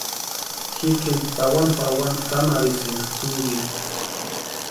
Jikini pawani pawani tsanharhisïnka tʼunkini.